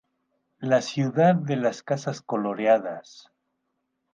Las ciudad de las casas coloreadas.